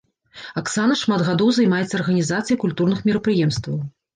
Аксана шмат гадоў займаецца арганізацыяй культурных мерапрыемстваў.